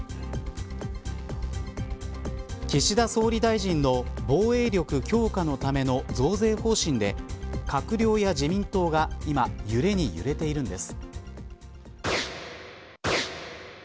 岸田総理大臣の防衛力強化のための増税方針で閣僚や自民党が今、揺れに揺れているんです。